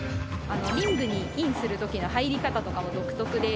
リングにインする時の入り方とかも独特で。